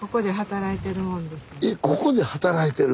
えっここで働いてる？